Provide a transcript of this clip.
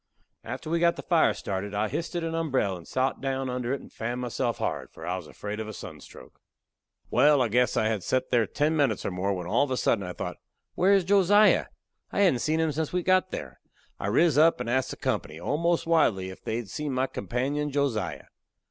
After we got the fire started, I histed a umberell and sot down under it and fanned myself hard, for I was afraid of a sunstroke. Wal, I guess I had set there ten minutes or more, when all of a sudden I thought, Where is Josiah? I hadn't seen him since we had got there. I riz up and asked the company, almost wildly, if they had seen my companion, Josiah.